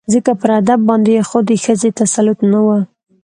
ځکه پر ادب باندې خو د ښځې تسلط نه و